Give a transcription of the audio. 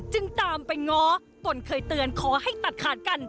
จึงตามไปง้อตนเคยเตือนขอให้ตัดขาดกัน